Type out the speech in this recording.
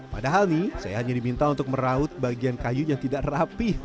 padahal nih saya hanya diminta untuk meraut bagian kayu yang tidak rapih